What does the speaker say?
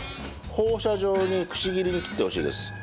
放射状にくし切りに切ってほしいです。